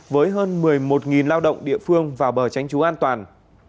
với hơn một mươi một lao động địa phương vào bờ tránh trú an toàn